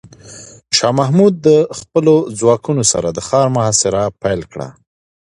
شاه محمود د خپلو ځواکونو سره د ښار محاصره پیل کړه.